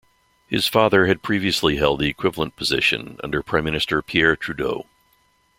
His father had previously held the equivalent position under Prime Minister Pierre Trudeau.